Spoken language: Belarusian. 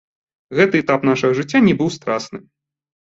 Гэты этап нашага жыцця не быў страсны.